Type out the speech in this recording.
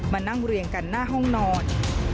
มานั่งเรียงกันหน้าห้องนอน